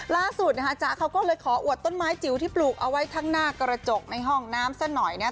ล่าสุดนะคะจ๊ะเขาก็เลยขออวดต้นไม้จิ๋วที่ปลูกเอาไว้ทั้งหน้ากระจกในห้องน้ำซะหน่อยนะครับ